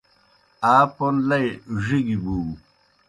آ پوْن لئی ڙِگیْ بُو۔